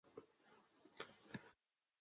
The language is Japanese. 期間限定アイスクリーム